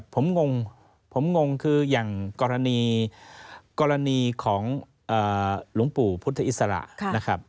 ผมงงคืออย่างกรณีของลุงปู่พุทธอิสระ